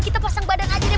kita pasang badan aja deh